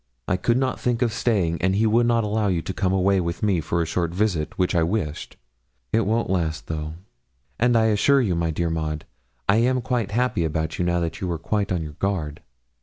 I could not think of staying, and he would not allow you to come away with me for a short visit, which I wished. It won't last, though; and I do assure you, my dear Maud, I am quite happy about you now that you are quite on your guard.